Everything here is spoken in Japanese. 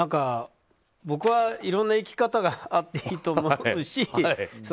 僕は、いろんな生き方があっていいと思うし。